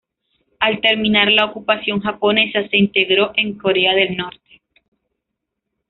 Al terminar la ocupación japonesa se integró en Corea del Norte.